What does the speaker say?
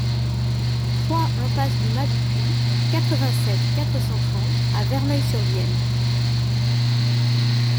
trois impasse du Mas du Puy, quatre-vingt-sept, quatre cent trente à Verneuil-sur-Vienne